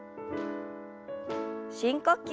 深呼吸。